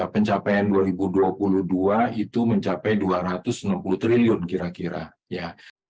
pencapaian dua ribu dua puluh dua itu mencapai dua ratus enam puluh triliun kira kira ya